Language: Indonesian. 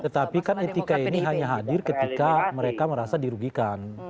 tetapi kan etika ini hanya hadir ketika mereka merasa dirugikan